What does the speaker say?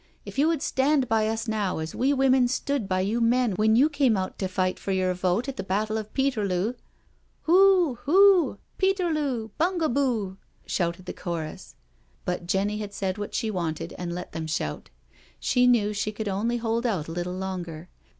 If you would stand by us now as we women stood by you men when you came out to fight for youtr vote at the battle of Peterloo— " "Hool hool Peterlool Bungabool'* shouted the chorus, but Jenny had said what she wanted and let them shout; she knew she could only hold out a little longer.